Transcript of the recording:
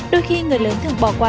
đôi khi người lớn thường bỏ qua